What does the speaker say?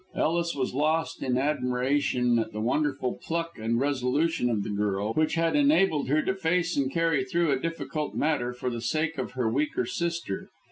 Ellis was lost in admiration at the wonderful pluck and resolution of the girl, which had enabled her to face and carry through a difficult matter for the sake of her weaker sister.